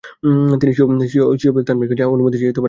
তিনি স্বীয় পীর থানভীর কাছে অনুমতি চেয়ে একটি পত্র লিখেন।